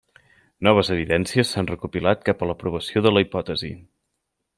Noves evidències s'han recopilat cap a l'aprovació de la hipòtesi.